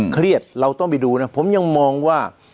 เครียดเราต้องไปดูนะ